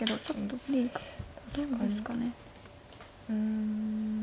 うん。